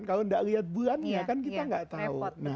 kalau tidak lihat bulannya kan kita nggak tahu